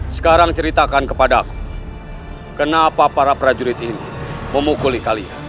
sekarang ceritakan kepada kenapa para prajurit ini memukul kalian